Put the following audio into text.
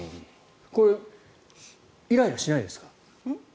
これイライラしないですか？